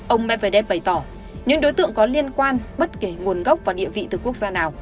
ông medvedev bày tỏ những đối tượng có liên quan bất kể nguồn gốc và địa vị từ quốc gia nào